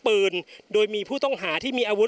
พร้อมด้วยผลตำรวจเอกนรัฐสวิตนันอธิบดีกรมราชทัน